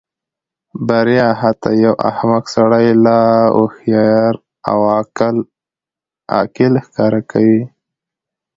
بریا حتی یو احمق سړی لا هوښیار او عاقل ښکاره کوي.